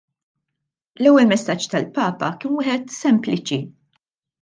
L-ewwel messaġġ tal-Papa kien wieħed sempliċi.